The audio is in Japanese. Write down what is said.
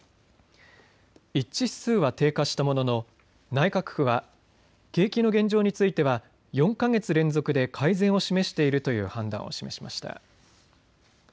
一致指数は低下したものの内閣府は景気の現状については４か月連続で改善を示しているという判断を示しました。